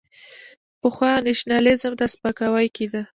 پخوا نېشنلېزم ته سپکاوی کېده.